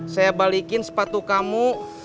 saya balikin sepatu kamu